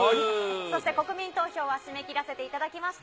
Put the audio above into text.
そして国民投票は締め切らせていただきました。